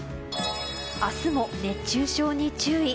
明日も熱中症に注意。